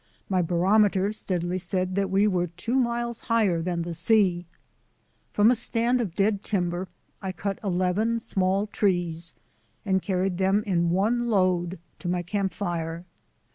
My barometer steadily said that we were two miles higher than the sea. From a stand of dead timber I cut eleven small trees and carried them in one load to my camp fire.